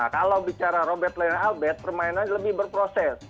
kalau bicara robert len albert permainannya lebih berproses